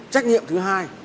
trách nhiệm thứ hai